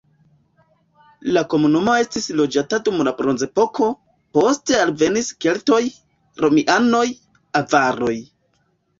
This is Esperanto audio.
La komunumo estis loĝata dum la bronzepoko, poste alvenis keltoj, romianoj, avaroj.